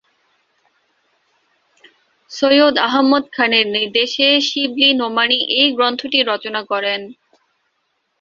সৈয়দ আহমদ খানের নির্দেশে শিবলী নোমানী এই গ্রন্থটি রচনা করেন।